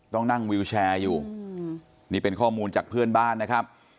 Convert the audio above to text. ต้องนั่งวิวแชร์อยู่นี่เป็นข้อมูลจากเพื่อนบ้านนะครับ